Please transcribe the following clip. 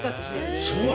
すごい。